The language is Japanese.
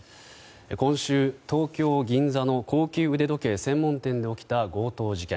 今週、東京・銀座の高級腕時計専門店で起きた強盗事件。